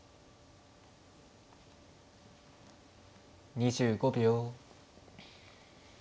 ２５秒。